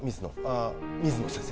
あ水野先生